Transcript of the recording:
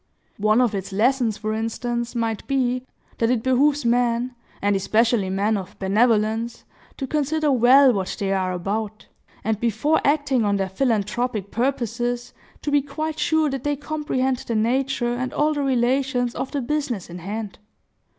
One of its lessons, for instance, might be, that it behooves men, and especially men of benevolence, to consider well what they are about, and, before acting on their philanthropic purposes, to be quite sure that they comprehend the nature and all the relations of the business in hand.